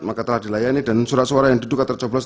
maka telah dilayani dan surat suara yang diduga tercoblos